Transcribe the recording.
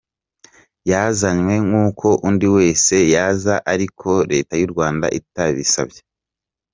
Yazanywe nk’uko undi wese yaza ariko Leta y’u Rwanda itabisabye.